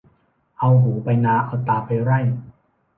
เอาหูไปนาเอาตาไปไร่